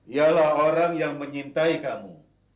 ialah orang yang mencintai kamu